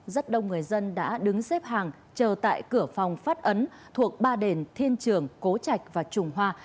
rất đông người dân đã đứng xếp hàng chờ tại cửa phòng phát ấn thuộc ba đền thiên trường cố trạch và trùng hoa